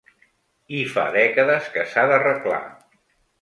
I fa dècades que s’ha d’arreglar.